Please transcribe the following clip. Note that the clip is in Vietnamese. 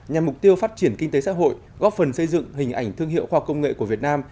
nhằm mục tiêu phát triển kinh tế xã hội góp phần xây dựng hình ảnh thương hiệu khoa học công nghệ của việt nam